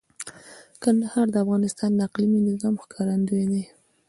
کندهار د افغانستان د اقلیمي نظام ښکارندوی دی.